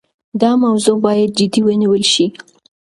دا موضوع باید جدي ونیول شي.